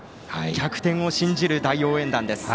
逆転を信じる大応援団です。